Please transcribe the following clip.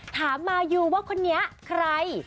ถามมายูก็ว่าคนนี้ใคร